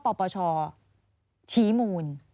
ปปชชี้มูล